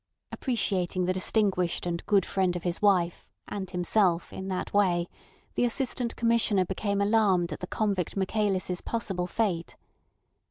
Appreciating the distinguished and good friend of his wife, and himself, in that way, the Assistant Commissioner became alarmed at the convict Michaelis' possible fate.